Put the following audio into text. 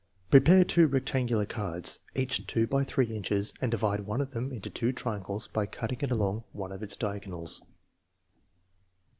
Prepare two rectangular cards, each % X 3 inches, and divide one of them into two triangles by cut ting it along one of its diagonals.